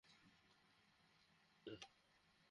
আমি হোটেলের ভিতরে ঢুকে দেখি কোথায় টম আর সনিককে লুকিয়ে রেখেছে।